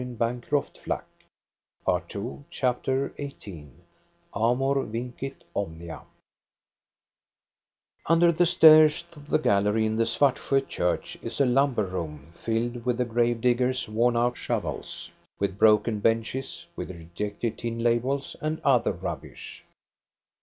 396 THE STORY OF GOstA BERLING CHAPTER XVIII AMOR VINCIT OMNIA Under the stairs to the gallery in the Svartsjo church is a lumber room filled with the grave diggers' worn out shovels, with broken benches, with rejected tin labels and other rubbish.